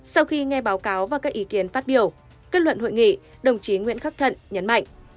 sau khi nghe báo cáo và các ý kiến phát biểu kết luận hội nghị đồng chí nguyễn khắc thận nhấn mạnh